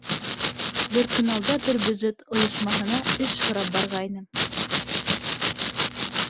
Бер көн алда бер бюджет ойошмаһына эш һорап барғайным.